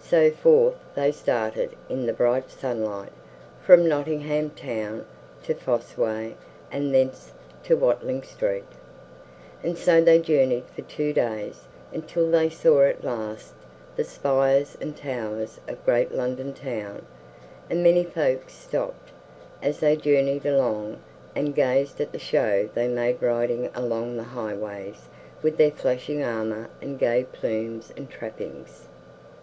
So forth they started in the bright sunlight, from Nottingham Town to Fosse Way and thence to Watling Street; and so they journeyed for two days, until they saw at last the spires and towers of great London Town; and many folks stopped, as they journeyed along, and gazed at the show they made riding along the highways with their flashing armor and gay plumes and trappings.